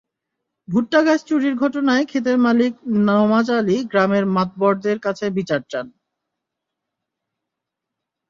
ভুট্টাগাছ চুরির ঘটনায় খেতের মালিক নমাজ আলী গ্রামের মাতবরদের কাছে বিচার চান।